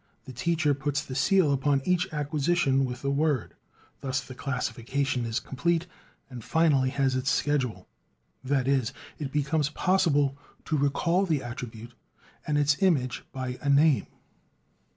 The teacher puts the seal upon each acquisition with a word; thus the classification is complete, and finally has its schedule: that is, it becomes possible to recall the attribute and its image by a name.